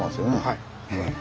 はい。